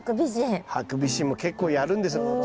ハクビシンも結構やるんですよ。